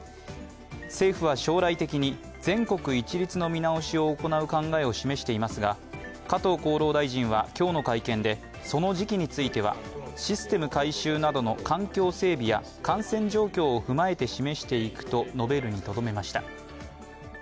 政府は将来的に全国一律の見直しを考えを示していますが加藤厚労大臣は今日の会見でその時期についてはシステム改修などの環境整備や感染状況を踏まえて示していくと述べるにとどめました。